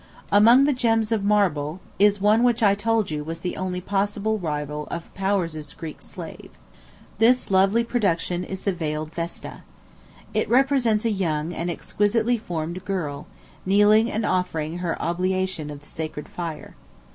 Among the gems of marble is one which I told, you was the only possible rival of Powers's Greek Slave. This lovely production is "the Veiled Vesta." It represents a young and exquisitely formed girl, kneeling and offering her oblation of the sacred fire.